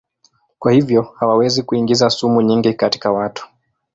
Kwa hivyo hawawezi kuingiza sumu nyingi katika watu.